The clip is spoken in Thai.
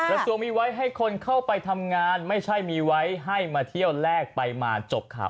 กระทรวงมีไว้ให้คนเข้าไปทำงานไม่ใช่มีไว้ให้มาเที่ยวแรกไปมาจบข่าว